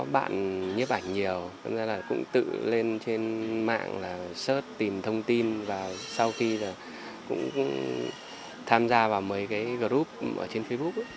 bạn nhiếp ảnh nhiều cũng tự lên trên mạng search tìm thông tin và sau khi tham gia vào mấy group trên facebook